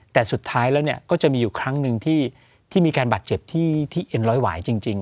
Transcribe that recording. แต่สุดท้ายแล้วก็จะมีอยู่ครั้งหนึ่งที่มีการบาดเจ็บที่เอ็นร้อยหวายจริง